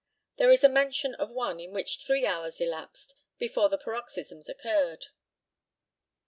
There is a mention of one in which three hours elapsed before the paroxysms occurred.